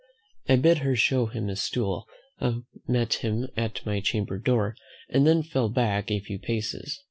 I bid her show him up, met him at my chamber door, and then fell back a few paces.